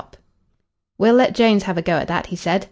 "We'll let Jones have a go at that," he said.